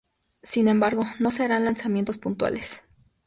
Sin embargo, no se harán lanzamientos puntuales.